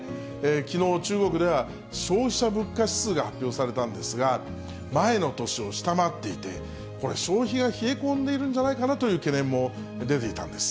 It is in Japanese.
きのう、中国では消費者物価指数が発表されたんですが、前の年を下回っていて、消費が冷え込んでいるんじゃないかなという懸念も出ていたんです。